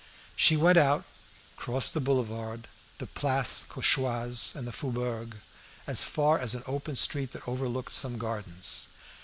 She went out, crossed the Boulevard, the Place Cauchoise, and the Faubourg, as far as an open street that overlooked some gardens.